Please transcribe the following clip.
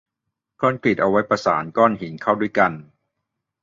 คอนกรีตเอาไว้ประสานก้อหินเข้าด้วยกัน